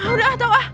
udah ah tau ah